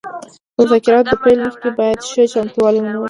د مذاکراتو د پیل مخکې باید ښه چمتووالی ونیول شي